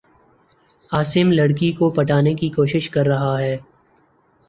عاصم لڑ کی کو پٹانے کی کو شش کر رہا ہے